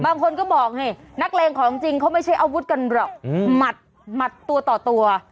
บางคนก็บอกนี่นักเลงของจริงเขาไม่ใช่อาวุธกันหรอกหมัดตัวต่อตัว